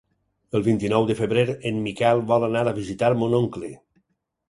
El vint-i-nou de febrer en Miquel vol anar a visitar mon oncle.